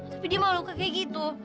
tapi dia malu kayak gitu